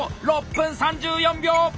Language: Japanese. ６分３４秒！